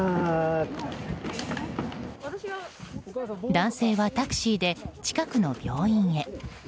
男性はタクシーで近くの病院へ。